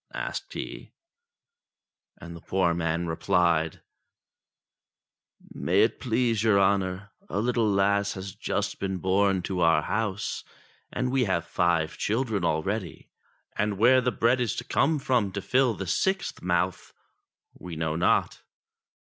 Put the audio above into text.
asked he, and the poor man rephed : "May it please your honour, a Httle lass has just been born to our house ; and we have five children already, and where the bread is to come from to fill the sixth mouth, we know not.'